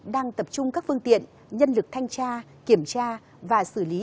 đang tập trung các phương tiện nhân lực thanh tra kiểm tra và xử lý